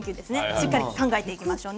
しっかり考えていきましょう。